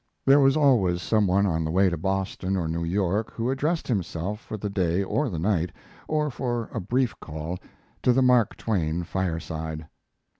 There was always some one on the way to Boston or New York who addressed himself for the day or the night, or for a brief call, to the Mark Twain fireside.